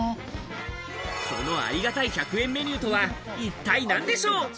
そのありがたい１００円メニューとは一体なんでしょう？